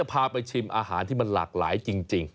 พาไปชิมอาหารที่มันหลากหลายจริง